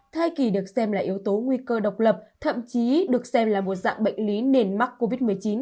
thai kỳ được xem là yếu tố nguy cơ độc lập thậm chí được xem là một dạng bệnh lý nền mắc covid một mươi chín